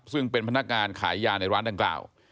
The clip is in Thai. ซึ่งเป็นพนักงานขายยาในร้านดังกล่าว